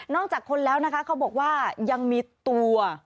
จากคนแล้วนะคะเขาบอกว่ายังมีตัว